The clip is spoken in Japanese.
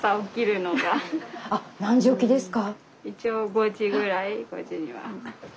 あっ何時起きですか？